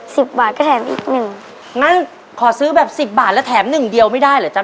สิบบาทก็แถมอีกหนึ่งงั้นขอซื้อแบบสิบบาทแล้วแถมหนึ่งเดียวไม่ได้เหรอจ๊